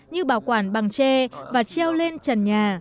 như bảo quản bằng tre và treo lên trần nhà